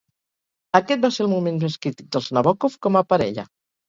Aquest va ser el moment més crític dels Nabókov com a parella.